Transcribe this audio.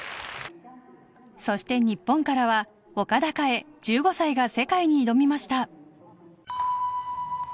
そして日本からは岡田華英１５歳が世界に挑みました。